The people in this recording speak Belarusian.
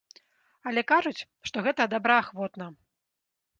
Але кажуць, што гэта добраахвотна.